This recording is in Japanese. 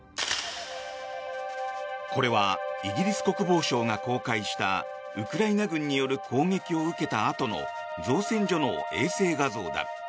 これはイギリス国防省が公開したウクライナ軍による攻撃を受けたあとの造船所の衛星画像だ。